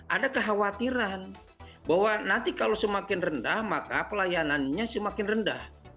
ada kekhawatiran bahwa nanti kalau semakin rendah maka pelayanannya semakin rendah